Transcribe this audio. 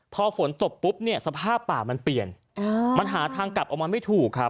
พอฝนตกปุ๊บเนี่ยสภาพป่ามันเปลี่ยนมันหาทางกลับออกมาไม่ถูกครับ